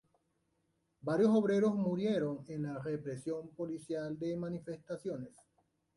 Varios obreros murieron en la represión policial de manifestaciones.